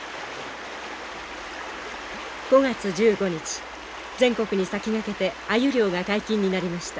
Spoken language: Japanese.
５月１５日全国に先駆けてアユ漁が解禁になりました。